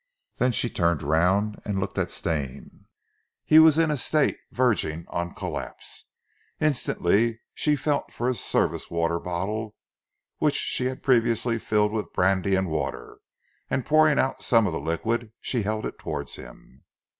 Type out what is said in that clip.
Then she turned round and looked at Stane. He was in a state verging on collapse. Instantly she felt for his service water bottle which she had previously filled with brandy and water, and pouring out some of the liquid she held it towards him.